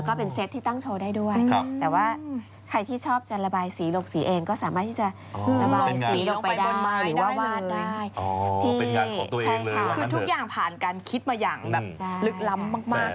คือทุกอย่างผ่านการคิดมาอย่างลึกล้ำมาก